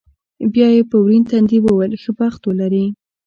بیا یې په ورین تندي وویل، ښه بخت ولرې.